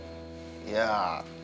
saya mah tidak menganggap sih